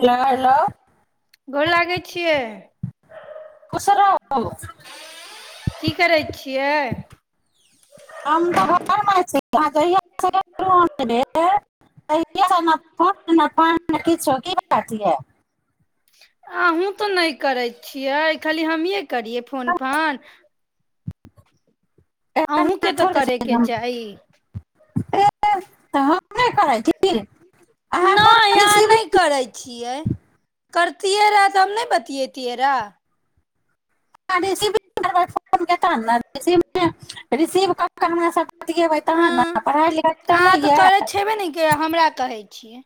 Hello hello गोर लागै छियै [unintelligible] की करै छियै हम तऽ घर मे छी [unintelligible] अहूँ तऽ नहि करै छियै खाली हमीँ करियै फोन फान एहन अहूँके बात तऽ थोड़े करैय छै जे के हम चाही ए तऽ हम नहि करै छी अहाँ नहि कोनो अहाँ नहि रिसीविंग करै छियै कर- करतीयै रऽहा त हम नै बतीयैती रऽहा [unintelligible] बतियैबै तहन ने अहाँ पढ़ाइ लिखाइ तऽ चलैयए करै छेबे ने के हमरा कहै छियै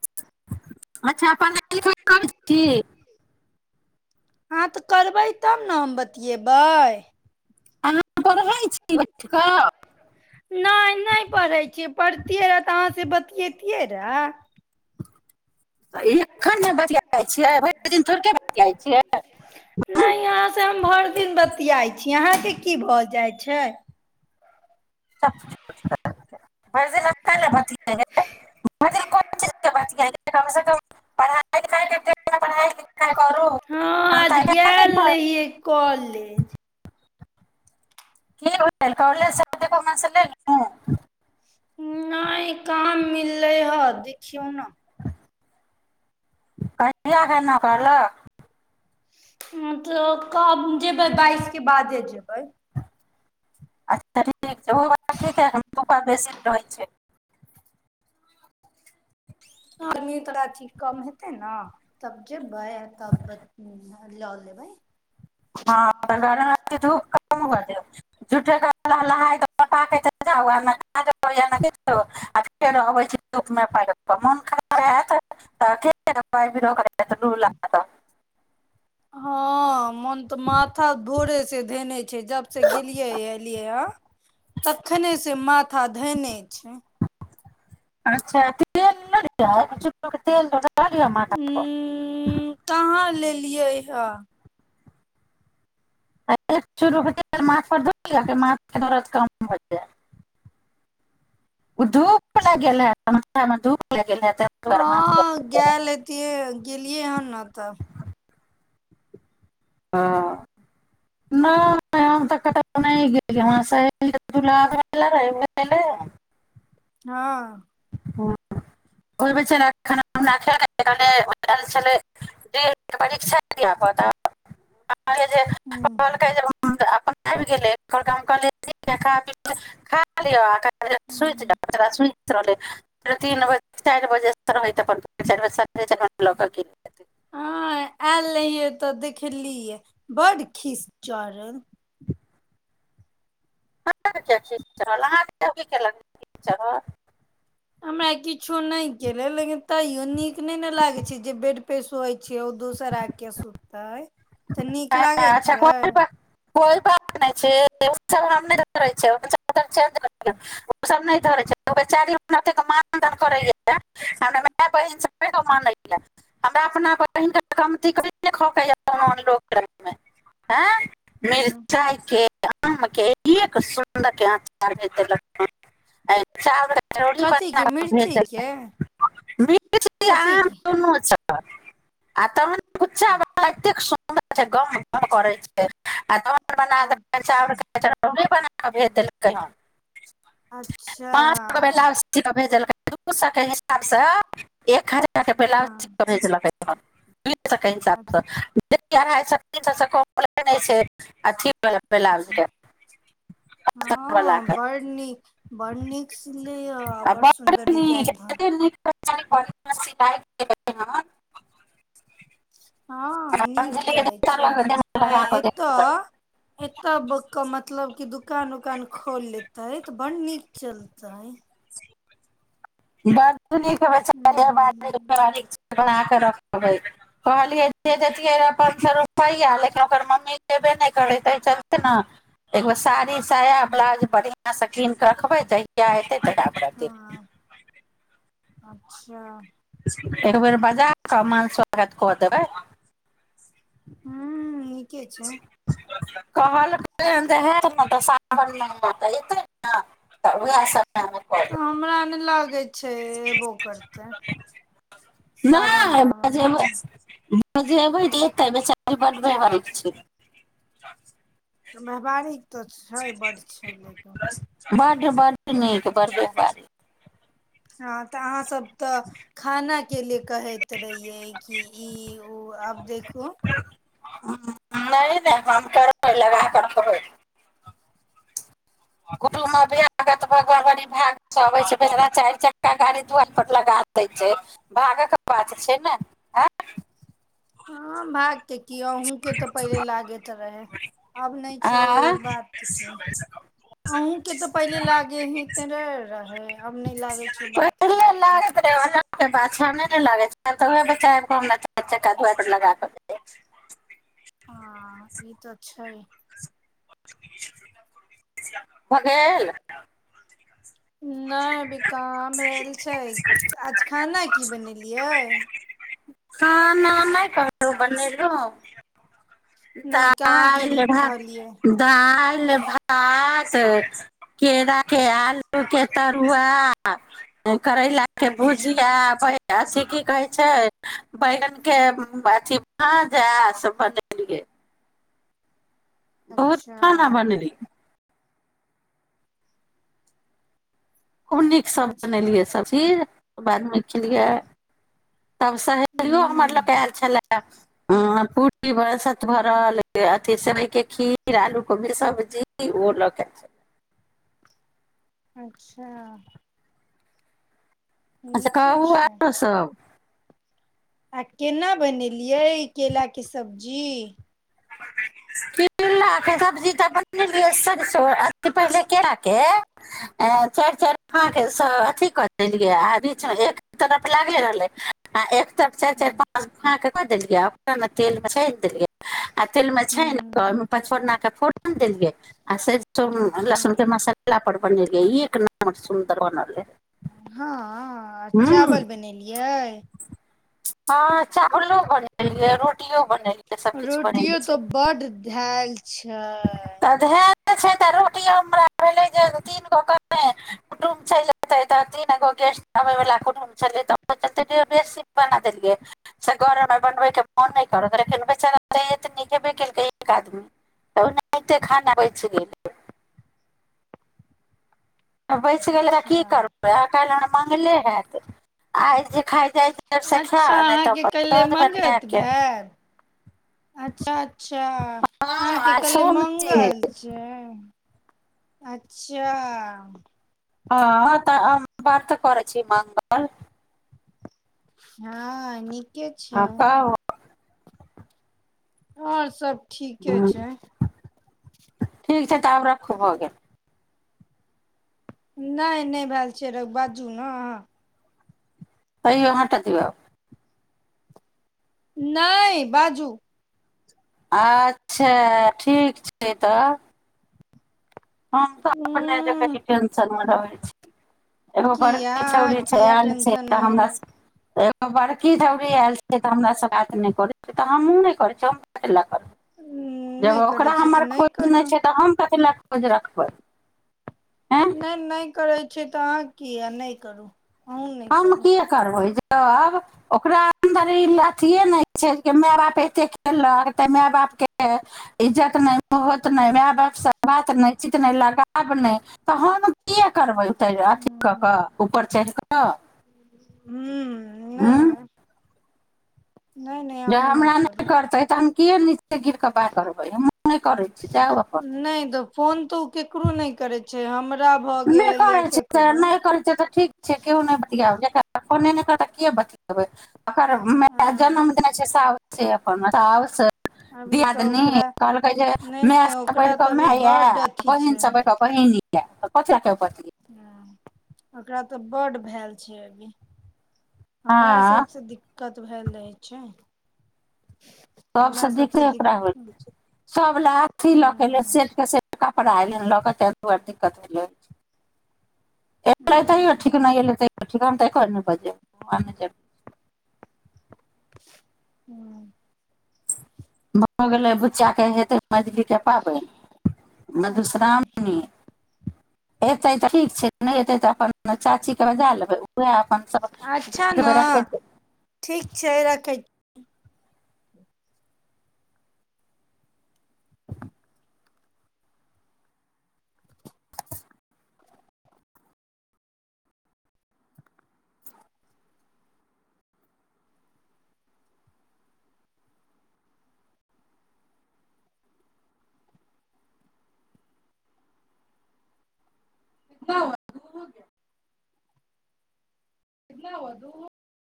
अच्छा पढ़ाई लिखाई करै छी हँ तऽ करबै तब ने हम बतियेबै अहाँ पढ़ै छी बैठि कऽ नहि नहि पढ़ैत छियै पढ़तियै रहए तऽ अहाँसँ बतियैतियै रहए एखन ने बतियाय छियै भरि दिन थोड़के ने बतियाय छियै नहि अहाँसँ हम भरि दिन बतियाइ छी अहाँके की भऽ जाइ छै [unintelligible] [unintelligible] कम से कम पढ़ाइ लिखाइ हँ आज गेल पर रहियै कॉलेज की भेल कालेज से एलौं तऽ एको गो मैसेज केलौं नहि काम मिललै ह देखियौ ने [unintelligible] मतलब कब जेबै बाइस के बाद जेबै कोइ [unintelligible] आर्मी तोरा अथी कम हेतै ने तब जेबै तब लऽ लेबै हँ त गरमे धूप हो जाइ छै झूठ कें [unintelligible] [unintelligible] हँ मन तऽ माथा भोरे से धेने छै जब से गेलियै एलियै या तखने से माथा धेने छै अच्छा तेल नहि या [unintelligible] ध लिअ माथ उ पर कहाँ लेलियै हँ एक चूरू तेल माथ पर ध लिअ माथके दरद कम भ जायत ओ धूप लागि गेल हायत माथा मे धूप लागि गेल हायत हँ गेल हेतीयै गेलियै हन न तऽ हँ नहि हम तऽ कतहु नहि गेलियै हँ [unintelligible] [unintelligible] हँ हँ ओहि बेचारा [unintelligible] हूँ [unintelligible] अपन [unintelligible] [unintelligible] सुति रहलै फेर तीन बजे चारि बजे [unintelligible] हँ आयल रहिये तऽ देखलियै बड खिसचड़हल [unintelligible] हमरा किछो नहि केले लेकिन तैयो नीक नहि ने लागैत छै जे बेड पे सोए छियै ओ दोसर आ के सुतते अच्छा कोई बात कोई बात नहि छै [unintelligible] [unintelligible] ओ सब नहि [unintelligible] [unintelligible] [unintelligible] मिरचाइके [unintelligible] हूँ कथी के मिर्ची के कथी के [unintelligible] आ तहन कुच्चा ह बला [unintelligible] एतेक सुन्दर जे गम गम करै छै आ तहन अच्छा [unintelligible] अबे देलकै हन अच्छा पाँच गो भेल अस्सी गो भेजलकै दू साए के हिसाबसँ एक हजार ब्लाउज हँ भेजलकै [unintelligible] [unintelligible] [unintelligible] ब्लाउज के अस्तर वाला हँ के बड़ नीक बड़ नीक सिलै या आ बड्ड सुन्दर बड़ नीक डिजाइन धर [unintelligible] हँ नीक अंजलि के करै देह छै लगा देह आ लगा कऽ एतऽ देख एत्ते के मतलब की दु- दूकान उकान खोल लेतै तऽ बड़ नीक चलतै बात हूँ [unintelligible] बनाक रखबै कहलियै जे अपन दे देतियै पांच सौ रुपैया लेकिन ओकर मम्मी खेबे नहि करे चलते ने एगो साड़ी साया ब्लाउज बढ़ियां सँ कीन कऽ रखबै जहिआ एतै हँ अच्छा एक बेर बाजा कऽ मान स्वागत कऽ देबै हू एके छै कहलके हन तऽ हैत ने तऽ सावन मे एतै ने तऽ उएह सब तऽ हम हमरा नहि लागै छै एबो करतै देबै सावन नहि वाबन मे बजेबै बजेबै तऽ एतै बेचारी बड बेहाल छै महमारीक तऽ छै बड छै लेकिन बड बड निक बड बेकार हँ तऽ अहाँ सब तऽ खाना के लि कहैत रहियै कि ई ओ आब देखू ह नहि नहि हम केबार लगा कऽ रखबै [unintelligible] हँ भागके कि अहूँके तऽ पहिले लागैत रहे आब नहि छौ ओ आँ बात छै अहुँ के तऽ पहिले लागे हे तेे रहे आब नहि लागे छै ओ बात के पहिले बात छै लागैत रहै ओना बाछा नहि ने लागै छै तऽ ओ बच्चा आब कऽ चारि चक्का हमरा दुआरि पर लगा के जाइत अछि हँ ई तऽ छै भऽ गेल नहि अभी कहाँ भेल छै आज खाना की बनेलियै खाना नहि कहलौं बनेलौं नहि कहाँ के दालि कहलियै भात दालि भात केरा के आलू के तरुआ करैला के अच्छा भुजिया बै अथि की कहे छै बैगन के अथि [unintelligible] [unintelligible] बहुत अच्छा खाना बनेलियै खूब नीक सब अच्छा बनेलियै सब चीज बादमे खेलियै तब सहेलियो हमर लऽ कऽ ह आयल छलै ह पूरी बर सत भरल अथि सेवइके खीर आलू कोबी सब्जी ओहो लऽ कऽ एल अच्छा अच्छा नीके कहू छै आरो सब आ केना बनेलियै ई केलाके सब्जी केला सब्जी तऽ बनेलियै सरसो अथि पहिने केर के चारि चारि अ के अथी कऽ देलियै आ बीचमे एक तरफ लागे रहलै आ चारि चारि पाँच फांक कऽ देलियै आ ओकरा ने तेल मे छानि देलियै आ तेल मे छानि के हूं आ पांच फोरना के फोरन देलियै अआ सरिसों अच्छा लहसुन के मसाला पर बनेलियै एक नम्बर सुन्दर बनल रहय हँ चावल बनेलियै हँ चावलो रोटियो बनेलियै सब किछु रोटियो बनेने छै तऽ बड धयल तऽ धयल छै तऽ रोटियओ हमरा भेलै जे तीन गो कह कुटुमब चलि एतै तऽ तीन गो गेस्ट आबैवला कुटुम्ब छलै तऽ ओ जतेक बेसी बना देलियै से घरमे बनबैके मोन नहि करत लेकिन बेचै एत न हेबे केलकै एक आदमी [unintelligible] तऽ ओनाहिते खाना बचि गेल बचि गेलै तऽ की अच्छा करबै आइ काल्हि मंगले हैत आइ जे खाइ जाइ छै तब से खा अच्छा नहि अहाँके तब अपन कल्हे दऽ देबनि गाय मंगत के भेल अच्छा अच्छा अहाँके हँ कहले सोम छी मंगल छै अच्छा ह तऽ हम व्रत करै छी मंगल हँ निक नीके छै हँ कहू आओर सभ ठीके छै ठीक छै तऽ आब राखू भऽ गेल। नहि नहि भेल छै र बाजू ने अहाँ। अहिहाँटा दिय। नहि बाजू। अच्छा ठीक छै तब। हँ तऽ अपन ज उं कटस। [unintelligible] एगो किया बड़की अहाँ छौड़ी किया आयल छै टेंशन तऽ मे हमरा एगो बड़की छौड़ी आयल छै तऽ हमरा सब। बात नहि करै छ तऽ हमूँ नहि करै छी ब ल करबै। जब नहि करै ओकरा छी तऽ हमर खोज करू नहि छै तऽ हम कथ ल। ज रखबर। नहि नहि करै। छै तऽ अहाँ की यऽ नहि करू। अहूँ नहि हम करू किया करबै गे। तब ओकरा अन्दर ई अथिए नहि छै जे माय बाप एतेक खलक तऽ माय बापके इज्जत नहि होत नहि माय बापसँ बात नहि च नहि लगाब नहि तहन कि। करबे अथी क हुं के ऊपर चढ़ क। न। ने ने। जे हमरा नहि करतै तऽ हम। किये ने। गिर क बात करबै म नहि करै छी जाउ अपन। हमर। नहि करैत छै से नहि करैत छै तऽ ठीक छै केह नहि बतियाबरा। ओने ने कर कि बतेबै। ओकर मे हँ जन्म देने छै स। से अपनउ अभी तऽ दियादिन ओकरा कहलकै जे नहि माय नहि सब बठ ओकरा क तऽ अभी माय बड्ड आ अथी बहिन छै सब बठ क बहिनी। [unintelligible] प आखै पै। हँ ओकरा तऽ बड्ड भेल छै अभी। हमरा हँ सभसँ दिक्क। दिक्कत भेल रहै छै। सब से हमरा देखे सभसँ ओकरा हो दिक्क हूँ सब ल अथी लऽ केले सेट के से। अपन आइल लोक क च दु बर दिक्कत होल। ए ल तऽ ह ठीक नहि हूँ य ल तऽ। [unintelligible] हँ भऽ गेलै बुचीया के हेतै मझली के पाबनि अच्छा मधुश्रावणी एतै तऽ ठीक छै नहि एतै तऽ अपन चाची के बजा लेबै उएह अपन सब अच्छा न बेरा कटि ठीक छै रखै [unintelligible] [unintelligible]